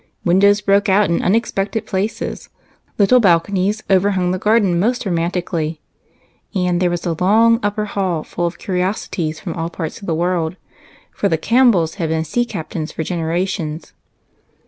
Windows broke out in unexpected places, little balconies overhung the garden most ro mantically, and there was a long upper hall full of curiosities from all parts of the world ; for the Camp bells had been sea captains for generations.